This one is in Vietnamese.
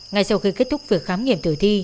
ngay sau khi kết thúc vừa khám nghiệm tử tế